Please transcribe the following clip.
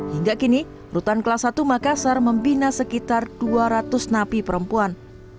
hingga kini rutan kelas satu makassar membina sekitar dua ratus napi perempuan